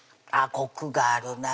コクがあるな